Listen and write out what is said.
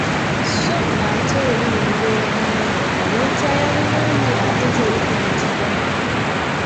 Sso ate olulimi lubeera mu mannyo nga lwetaaya bulungi ate terufumitibwa.